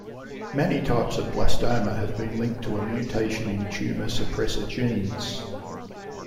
Many types of blastoma have been linked to a mutation in tumor suppressor genes.